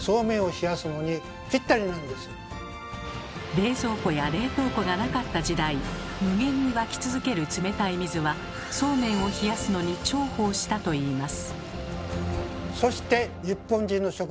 冷蔵庫や冷凍庫がなかった時代無限に湧き続ける冷たい水はそうめんを冷やすのに重宝したといいます。